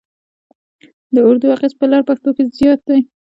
د اردو اغېز په لر پښتون کې زیات دی.